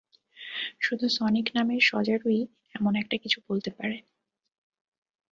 শুধু সনিক নামের শজারুই এমন একটা কিছু বলতে পারে।